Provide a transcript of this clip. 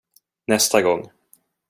Nästa gång.